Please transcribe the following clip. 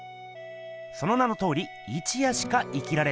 その名のとおり一夜しか生きられない